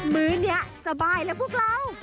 มื้อนี้สบายแล้วพวกเรา